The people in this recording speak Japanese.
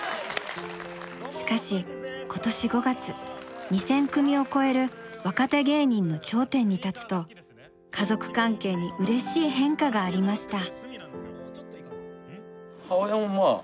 しかし今年５月２，０００組を超える若手芸人の頂点に立つと家族関係にうれしい変化がありました。